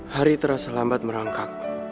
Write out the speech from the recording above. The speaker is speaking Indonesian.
hari terasa lambat merangkak